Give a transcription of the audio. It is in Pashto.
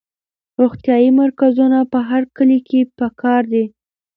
روغتیایي مرکزونه په هر کلي کې پکار دي.